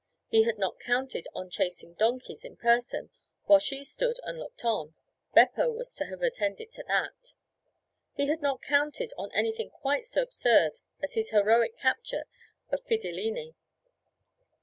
He had not counted on chasing donkeys in person while she stood and looked on Beppo was to have attended to that. He had not counted on anything quite so absurd as his heroic capture of Fidilini.